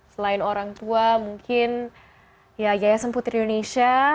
selain orang tua mungkin ya yayasan putri indonesia